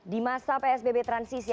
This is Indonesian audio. di masa psbb transisi